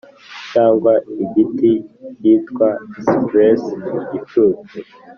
cyangwa igiti cyitwa cypress igicucu: